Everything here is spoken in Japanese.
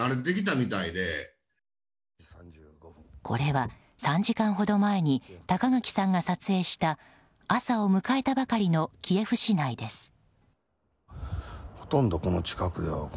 これは３時間ほど前に高垣さんが撮影した朝を迎えたばかりのキエフ市内です。